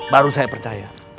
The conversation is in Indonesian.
baru saya percaya